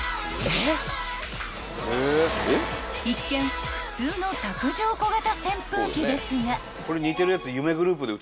［一見普通の卓上小型扇風機ですが］